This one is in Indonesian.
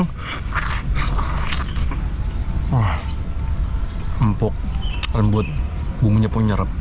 hmm empuk lembut bumbunya pun nyerep